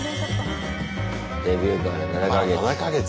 デビューから７か月。